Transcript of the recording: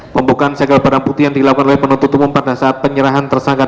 pembukaan segel barang bukti yang dilakukan oleh penutup umum pada saat penyerahan tersangkat